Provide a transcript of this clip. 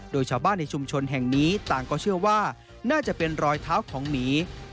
โดยชาวบ้านในชุมชนแห่งนี้ต่างก็เชื่อว่าน่าจะเป็นรอยเท้าของหมี